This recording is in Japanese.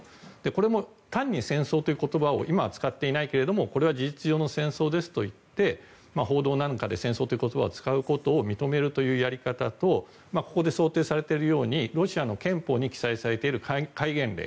これも単に戦争という言葉を今使っていないけどこれは事実上の戦争ですと言って報道なんかで戦争という言葉を使うことを認めるやり方をここで想定されているようにロシアの憲法に記載されている戒厳令。